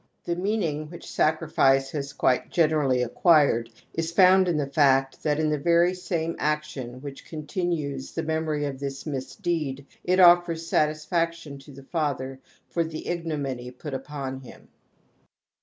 The meaning which sacrifice has quite generally acquired is found in the fact that in the very same action which continues the memory of this misdeed it offers satisfaction to the father for the ignominy put upon him.